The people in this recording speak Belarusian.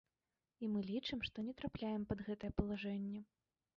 І мы лічым, што не трапляем пад гэтае палажэнне.